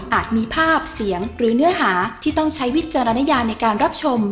มีภาพเสียงหรือเนื้อหาที่ต้องใช้วิจารณญาในการรับชม